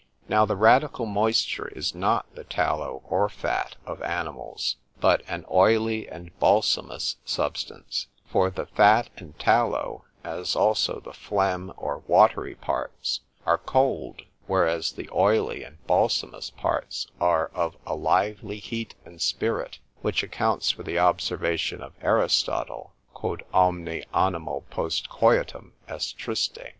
Now the radical moisture is not the tallow or fat of animals, but an oily and balsamous substance; for the fat and tallow, as also the phlegm or watery parts, are cold; whereas the oily and balsamous parts are of a lively heat and spirit, which accounts for the observation of Aristotle, "Quod omne animal post coitum est triste."